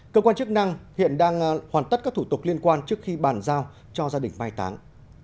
cơ quan chức năng hiện đang hoàn tất các thủ tục liên quan trước khi bàn giao cho gia đình mai táng